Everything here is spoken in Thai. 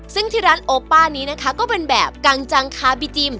ซึ่งที่ร้านโอป้านี้นะคะก็เป็นแบบกังจังคาบิจิม